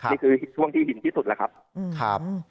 นี่คือช่วงที่หินที่สุดแล้วครับ